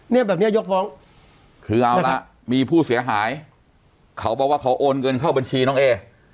เนี่ยแบบเนี้ยยกฟ้องคือเอาละมีผู้เสียหายเขาบอกว่าเขาโอนเงินเข้าบัญชีน้องเอ